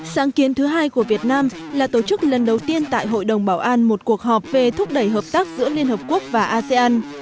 sáng kiến thứ hai của việt nam là tổ chức lần đầu tiên tại hội đồng bảo an một cuộc họp về thúc đẩy hợp tác giữa liên hợp quốc và asean